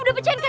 tidak bukan gua